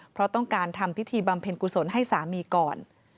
เพราะต้องการทำพิธีบำเพ็ญกุศลให้สามีก่อน